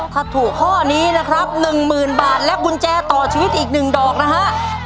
ถ้าถูกข้อนี้นะครับ๑๐๐๐บาทและกุญแจต่อชีวิตอีก๑ดอกนะฮะ